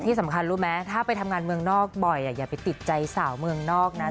สำคัญรู้ไหมถ้าไปทำงานเมืองนอกบ่อยอย่าไปติดใจสาวเมืองนอกนะ